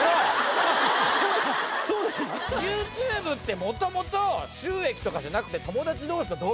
ＹｏｕＴｕｂｅってもともと収益とかじゃなくて。